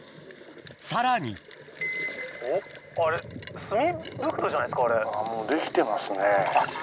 さらにもうできてますね。